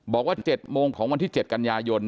บอกว่า๗โมงของวันที่๗กันยายน